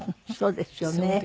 そうですよね。